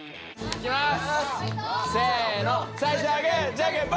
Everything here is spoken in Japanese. いきます。